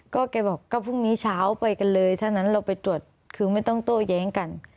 ก็แกบอกก็พรุ่งนี้เช้าไปกันเลยถ้านั้นเราไปตรวจคือไม่ต้องโต้แย้งกัน